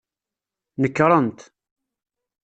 Nekrent.